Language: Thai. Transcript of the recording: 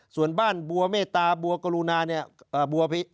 ส่วนบ้านบัวเมตตาบัวกรุณาเนี่ย